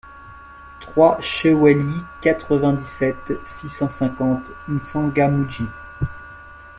trois cHE WAILI, quatre-vingt-dix-sept, six cent cinquante, M'Tsangamouji